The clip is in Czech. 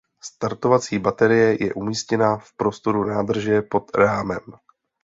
Startovací baterie je umístěna v prostoru nádrže pod rámem.